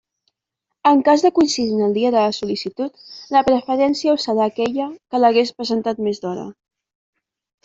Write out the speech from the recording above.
En cas de coincidir en el dia de la sol·licitud, la preferència ho serà aquella que l'hagués presentat més d'hora.